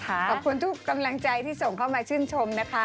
ขอบคุณทุกกำลังใจที่ส่งเข้ามาชื่นชมนะคะ